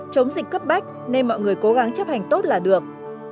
chống dịch cấp bách nên mọi người cố gắng chấp hành tốt là được